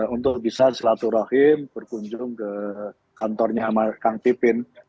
untuk bisa selatur rahim berkunjung ke kantornya kang pipin